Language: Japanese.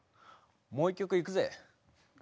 もう一曲いくぜ。